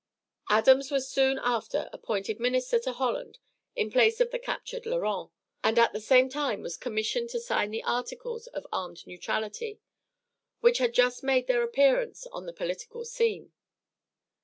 Adams was soon after appointed minister to Holland in place of the captured Laurens, and at the same time was commissioned to sign the articles of armed neutrality which had just made their appearance on the political scene.